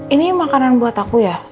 ini makanan buat aku ya